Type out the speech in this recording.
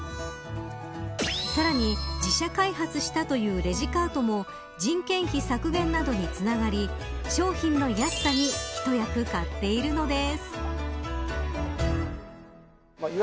さらに、自社開発したというレジカートも人件費削減などにつながり商品の安さに一役買っているのです。